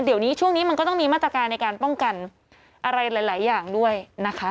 เดี๋ยวนี้ช่วงนี้มันก็ต้องมีมาตรการในการป้องกันอะไรหลายอย่างด้วยนะคะ